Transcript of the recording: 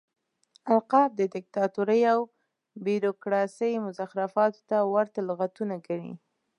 القاب د ديکتاتورۍ او بيروکراسۍ مزخرفاتو ته ورته لغتونه ګڼي.